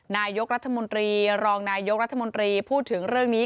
นายกรัฐมนตรีรองนายกรัฐมนตรีพูดถึงเรื่องนี้